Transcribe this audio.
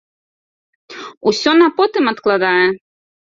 Усё на потым адкладае.